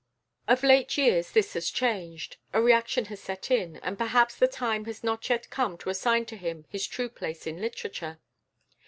Of late years this has changed; a reaction has set in, and perhaps the time has not yet come to assign to him his true place in literature.